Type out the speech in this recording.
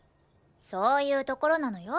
そういうところなのよ。